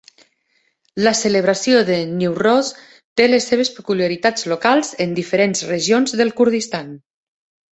La celebració de Newroz té les seves peculiaritats locals en diferents regions del Kurdistan.